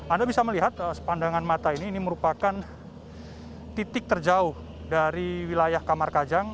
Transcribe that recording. anda bisa melihat sepandangan mata ini ini merupakan titik terjauh dari wilayah kamar kajang